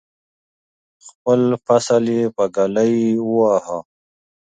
خپل فصل یې په ږلۍ وواهه.